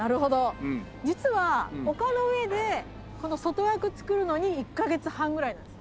実はおかの上でこの外枠造るのに１カ月半ぐらいなんです。